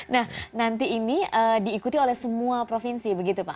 nah nanti ini diikuti oleh semua provinsi begitu pak